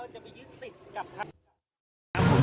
เราจะไปยึดติดกับพระพิการ